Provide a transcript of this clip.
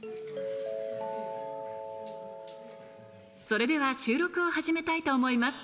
それでは収録を始めたいと思います。